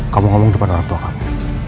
kamu ngomong kepada orang tua kamu